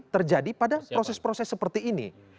terjadi pada proses proses seperti ini